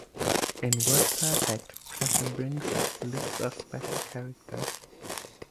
In WordPerfect, pressing brings up lists of special characters.